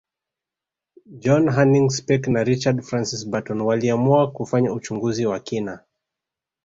John Hanning Speke na Richard Francis Burton waliamua kufanya uchunguzi wa kina